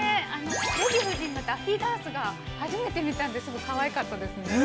デヴィ夫人のダッフィーパーツが初めて見たんですけれども、かわいかったですね。